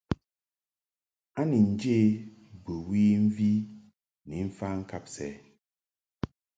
A ni njě bɨwi mvi ni mfa ŋkab sɛ.